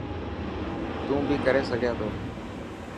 تون بي ڪري سگهي ٿو.